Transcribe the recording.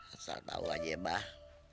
asal tau aja bah